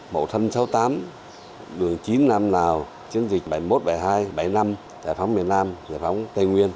bộ thân sáu mươi tám đường chín nam lào chiến dịch bảy mươi một bảy mươi hai bảy mươi năm giải phóng miền nam giải phóng tây nguyên